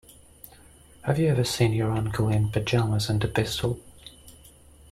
Have you ever seen your uncle in pyjamas and a pistol?